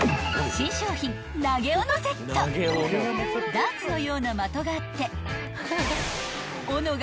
［ダーツのような的があって］